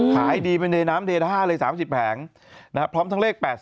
ขายดีเป็นเดน้ำเดตห้าเลย๓๐แผงนะครับพร้อมทั้งเลข๘๔